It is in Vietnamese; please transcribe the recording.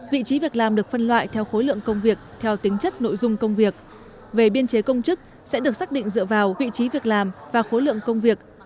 vị trí việc làm được phân loại theo khối lượng công việc theo tính chất nội dung công việc về biên chế công chức sẽ được xác định dựa vào vị trí việc làm và khối lượng công việc